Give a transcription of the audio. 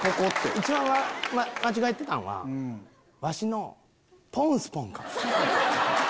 一番間違えてたんはわしの「ポンスポーン」かもしれん。